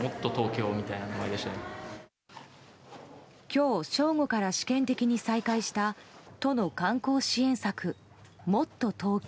今日正午から試験的に再開した都の観光支援策もっとＴｏｋｙｏ。